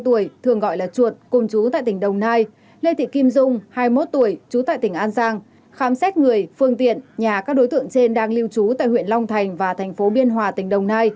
ba mươi tuổi thường gọi là chuột cùng chú tại tỉnh đồng nai lê thị kim dung hai mươi một tuổi trú tại tỉnh an giang khám xét người phương tiện nhà các đối tượng trên đang lưu trú tại huyện long thành và thành phố biên hòa tỉnh đồng nai